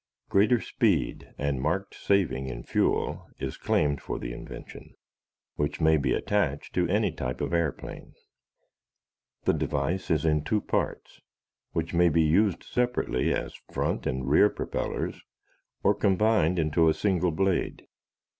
Greater speed and marked saving in fuel is claimed for the invention, which may be attached to any type of airplane. The device is in two parts, which may be used separately as front and rear propellers or combined into a single blade.